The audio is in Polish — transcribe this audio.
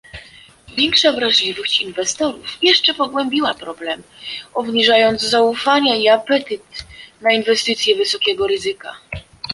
Większa wrażliwość inwestorów jeszcze pogłębiła problem, obniżając zaufanie i apetyt na inwestycje wysokiego ryzyka